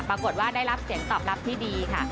ปรากฏว่าได้รับเสียงตอบรับที่ดีค่ะ